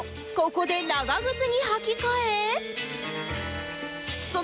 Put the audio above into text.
ここで長靴に履き替え